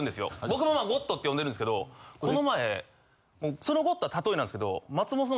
僕もゴッドって呼んでるんですけどこの前そのゴッドは例えなんですけど。